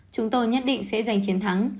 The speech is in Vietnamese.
chúng tôi nhất định sẽ giành chiến thắng